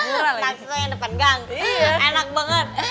langsung yang depan gang enak banget